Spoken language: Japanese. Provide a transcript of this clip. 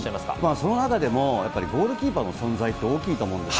その中でも、やっぱりゴールキーパーの存在って大きいと思うんですよ。